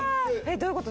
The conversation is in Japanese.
どういうこと？